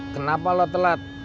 kenapa lo telat